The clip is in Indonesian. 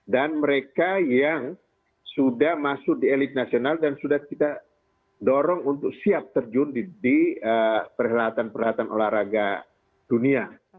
dan mereka yang sudah masuk di elite nasional dan sudah kita dorong untuk siap terjun di perhelatan perhelatan olahraga dunia